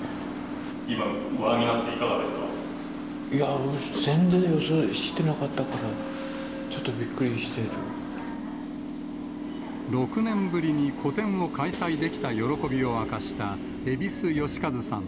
今、ご覧になっていかがですいや、全然予想していなかったから、６年ぶりに個展を開催できた喜びを明かした、蛭子能収さん